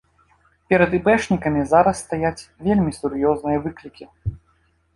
Перад іпэшнікамі зараз стаяць вельмі сур'ёзныя выклікі.